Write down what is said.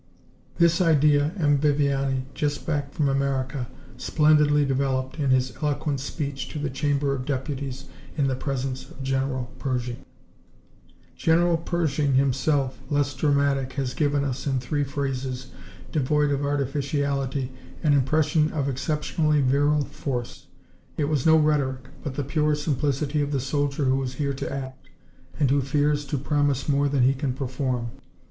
"This idea M. Viviani, just back from America, splendidly developed in his eloquent speech to the Chamber of Deputies in the presence of General Pershing. "General Pershing himself, less dramatic, has given us, in three phrases devoid of artificiality, an impression of exceptionally virile force. It was no rhetoric but the pure simplicity of the soldier who is here to act, and who fears to promise more than he can perform.